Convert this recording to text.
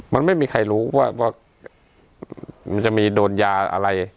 มันไม่มีใครรู้ว่ามันจะมีโดนยาอะไร